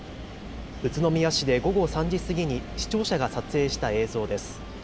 宇都宮市で午後３時過ぎに視聴者が撮影した映像です。